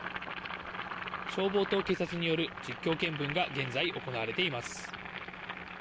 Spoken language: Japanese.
消防と警察による実況見分が現在、行われています。